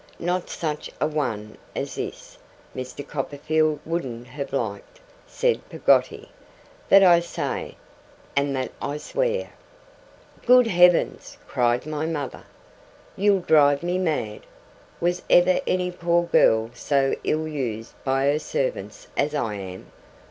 'Not such a one as this, Mr. Copperfield wouldn't have liked,' said Peggotty. 'That I say, and that I swear!' 'Good Heavens!' cried my mother, 'you'll drive me mad! Was ever any poor girl so ill used by her servants as I am!